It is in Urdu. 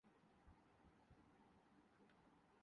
تو ہماری ریاست بھی درست سمت میں آگے بڑھنے لگے گی۔